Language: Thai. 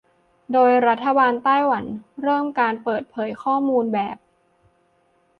โดยรัฐบาลไต้หวันเริ่มการเปิดเผยข้อมูลแบบ